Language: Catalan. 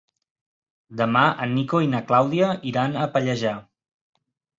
Demà en Nico i na Clàudia iran a Pallejà.